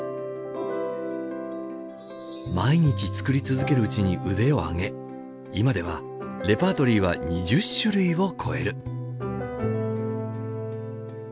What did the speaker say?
毎日作り続けるうちに腕を上げ今ではレパートリーは２０種類を超える。